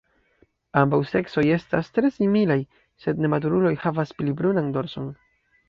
Ambaŭ seksoj estas tre similaj, sed nematuruloj havas pli brunan dorson.